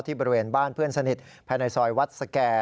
บริเวณบ้านเพื่อนสนิทภายในซอยวัดสแก่